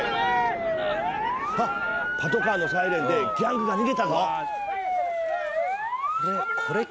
あっパトカーのサイレンでギャングが逃げたぞ。